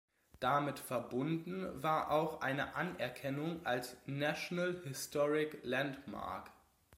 Damit verbunden war auch eine Anerkennung als National Historic Landmark.